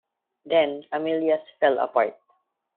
Then Amilias fell apart.